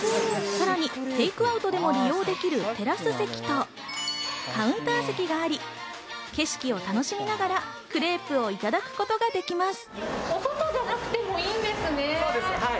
さらにテイクアウトも利用できるテラス席とカウンター席があり、景色を楽しみながらクレープをいただくことができます。